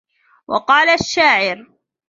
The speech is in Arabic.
وَقَالَ الشَّاعِر